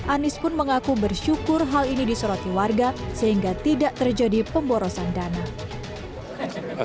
anies pun mengaku bersyukur hal ini disoroti warga sehingga tidak terjadi pemborosan dana